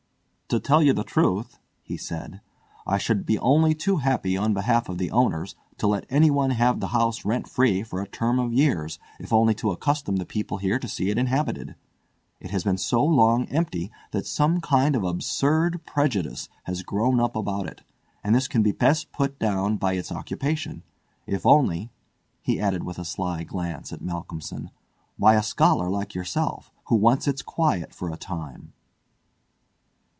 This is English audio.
"To tell you the truth," said he, "I should be only too happy, on behalf of the owners, to let anyone have the house rent free for a term of years if only to accustom the people here to see it inhabited. It has been so long empty that some kind of absurd prejudice has grown up about it, and this can be best put down by its occupation—if only," he added with a sly glance at Malcolmson, "by a scholar like yourself, who wants its quiet for a time."